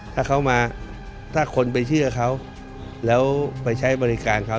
ถ้าเขามาถ้าคนไปเชื่อเขาแล้วไปใช้บริการเขา